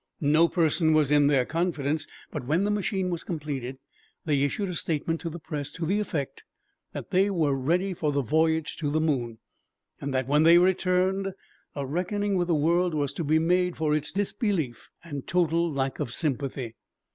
No person was in their confidence, but when the machine was completed they issued a statement to the press to the effect that they were ready for the voyage to the moon, and that, when they returned, a reckoning with the world was to be made for its disbelief and total lack of sympathy.